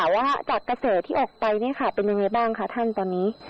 ว่าจากเกษตรที่อกไปเป็นยังไงบ้างคะท่านตอนนี้